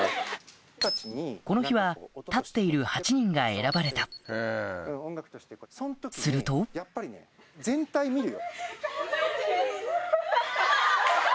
この日は立っている８人が選ばれたすると・泣いてる